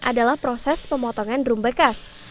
adalah proses pemotongan drum bekas